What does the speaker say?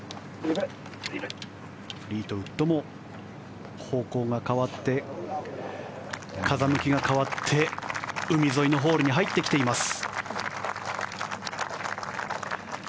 フリートウッドも方向が変わって風向きが変わって海沿いのホールに入ってきています。